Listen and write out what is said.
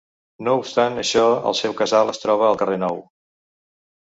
No obstant això el seu casal es troba al Carrer Nou.